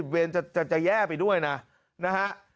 ๑๐เวนจะแย่ไปด้วยนะฮะ